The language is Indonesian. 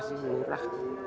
harga ini sudah menyerah